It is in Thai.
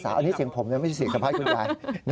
อันนี้เสียงผมเนี่ยไม่ใช่เสียงกับภาคคุณยาย